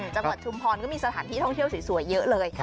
ชุมพรก็มีสถานที่ท่องเที่ยวสวยเยอะเลย